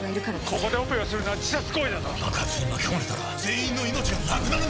ここでオペをするのは自殺行為だぞ爆発に巻き込まれたら全員の命がなくなるんだぞ